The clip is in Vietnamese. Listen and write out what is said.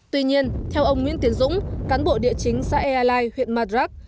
tuy nhiên theo ông nguyễn tiến dũng cán bộ địa chính xã e a lai huyện madrag